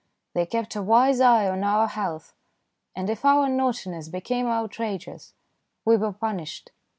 They kept a wise eye on our health, and if our naughtiness became outrageous, we were punished.